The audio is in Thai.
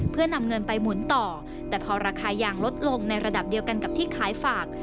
เพื่อนำเงินไปหมุนต่อแต่พอราคายางลดลงในระดับเดียวกันกับที่ขายฝาก